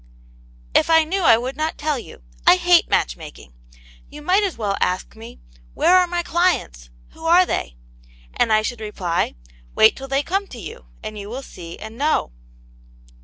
'* If I knew I \yould not tell you. I hate match making. You might as well ask me, where are my clients? Who are they? And I should reply, wait till they come to you and you will see and know."